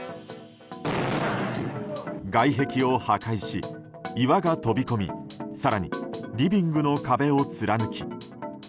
外壁を破壊し、岩が飛び込み更にリビングの壁を貫き